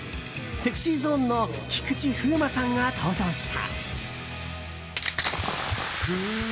ＳｅｘｙＺｏｎｅの菊池風磨さんが登場した。